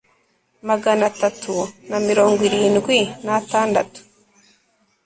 magana atatu na mirongo irindwi n atandatu